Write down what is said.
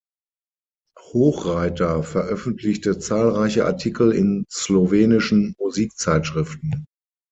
Hochreiter veröffentlichte zahlreiche Artikel in slowenischen Musikzeitschriften.